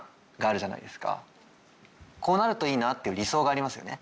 こうなるといいなっていう理想がありますよね。